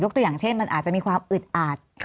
ตัวอย่างเช่นมันอาจจะมีความอึดอาด